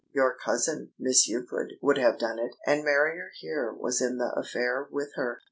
"Your cousin, Miss Euclid, would have done it, and Marrier here was in the affair with her."